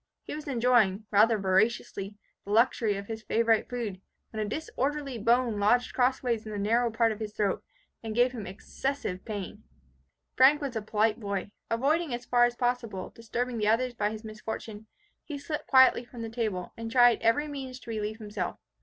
He was enjoying, rather voraciously, the luxury of his favourite food, when a disorderly bone lodged crossways in the narrow part of his throat, and gave him excessive pain. Frank was a polite boy. Avoiding, as far as possible, disturbing the others by his misfortune, he slipped quietly from the table, and tried every means to relieve himself.